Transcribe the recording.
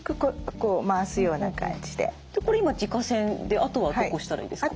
これ今耳下腺であとはどこ押したらいいですか？